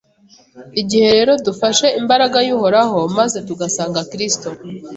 Igihe rero dufashe imbaraga y’Uhoraho, maze tugasanga Kristo